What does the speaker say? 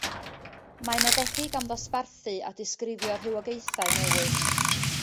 Mae'n nodedig am ddosbarthu a disgrifio rhywogaethau newydd.